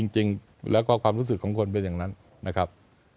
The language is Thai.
จริงแล้วก็ความรู้สึกของคนเป็นอย่างนั้นนะครับ